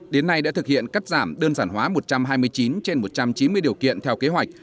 đến nay đã thực hiện cắt giảm đơn giản hóa một trăm hai mươi chín trên một trăm chín mươi điều kiện theo kế hoạch